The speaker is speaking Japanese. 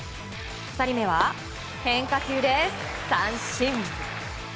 ２人目は変化球で三振。